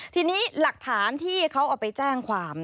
ทีนี้หลักฐานที่เขาเอาไปแจ้งความ